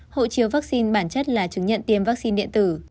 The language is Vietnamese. hộ chiếu vaccine bản chất là chứng nhận tiêm vaccine điện tử